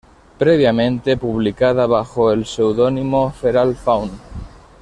Previamente publicaba bajo el pseudónimo Feral Faun.